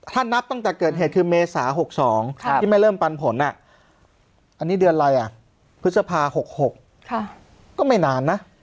ถ้านับตั้งแต่เกิดเหตุคือเมษา๖๒ที่ไม่เริ่มปันผลอันนี้เดือนอะไรอ่ะพฤษภา๖๖ก็ไม่นานนะ